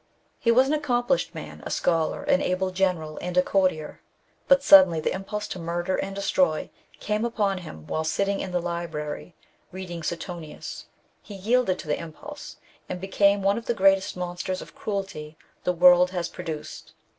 He was an accomplished man, a scholar, an able general, and a courtier ; but suddenly the impulse to murder and destroy came upon him whilst sitting in the library reading Suetonius ; he yielded to the impulse, and became one of the greatest monsters of cruelty the world has produced.